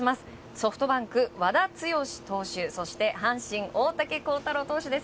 ソフトバンクの和田毅投手そして阪神、大竹耕太郎投手です。